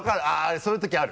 そういう時ある。